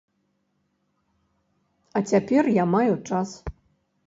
А цяпер я маю час.